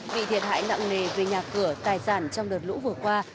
bị thiệt hại nặng nề về nhà cửa tài sản trong đợt lũ vừa qua